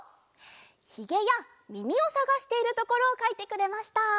ひげやみみをさがしているところをかいてくれました。